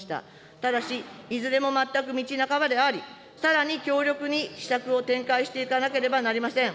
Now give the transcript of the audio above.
ただし、いずれも全く道半ばであり、さらに強力に施策を展開していかなければなりません。